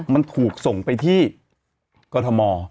มันถูกส่งไปที่กรทม